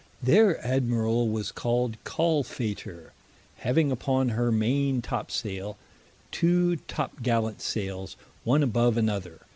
Their Admirall was called Callfater, having upon her maine top saile, two top gallant sailes, one above another.